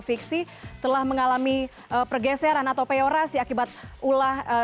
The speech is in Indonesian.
fiksi telah mengalami pergeseran atau peorasi akibat ulah